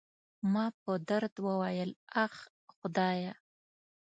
ما په درد وویل: اخ، خدایه.